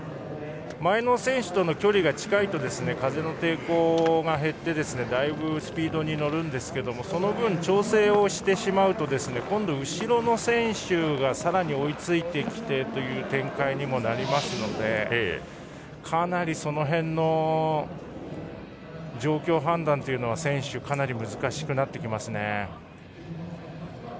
前の選手との距離が近いと風の抵抗が減ってだいぶスピードに乗るんですがその分、調整をしてしまうと今度は後ろの選手がさらに追いついてきてという展開にもなりますのでかなり、その辺の状況判断は選手、難しくなってきますね。